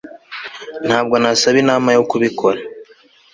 ntabwo nasaba inama yo kubikora